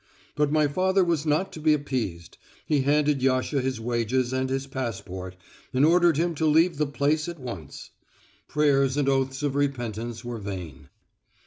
But my father was not to be appeased. He handed Yasha his wages and his passport and ordered him to leave the place at once. Prayers and oaths of repentance were vain.